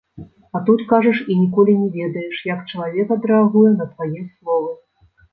А тут кажаш і ніколі не ведаеш, як чалавек адрэагуе на твае словы.